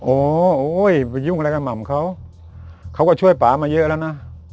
โอ้ยไปยุ่งอะไรกับหม่ำเขาเขาก็ช่วยป่ามาเยอะแล้วนะ